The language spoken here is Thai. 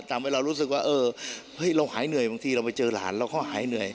ทำให้เรารู้สึกว่าเออเราหายเหนื่อยบางทีเราไปเจอหลานเราก็หายเหนื่อย